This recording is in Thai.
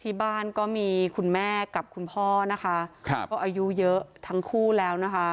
ที่บ้านก็มีคุณแม่และคุณพ่ออายุเยอะทั้งคู่แล้ว